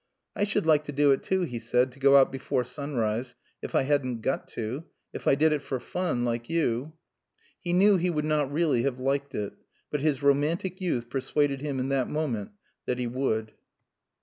"I should like to do it, too," he said "to go out before sunrise if I hadn't got to. If I did it for fun like you." He knew he would not really have liked it. But his romantic youth persuaded him in that moment that he would.